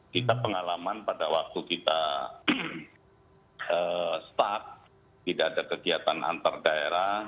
kita pengalaman pada waktu kita start tidak ada kegiatan antar daerah